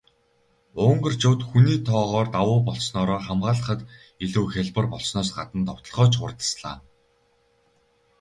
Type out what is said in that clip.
Унгарчууд хүний тоогоор давуу болсноороо хамгаалахад илүү хялбар болсноос гадна довтолгоо ч хурдаслаа.